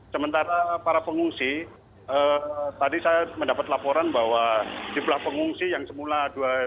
sementara para pengungsi tadi saya mendapat laporan bahwa jumlah pengungsi yang semula dua ratus